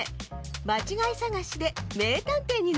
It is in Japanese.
まちがいさがしでめいたんていになってもらうわ。